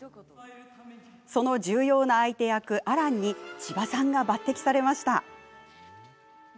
その重要な相手役、アランに千葉さんが抜てきされました。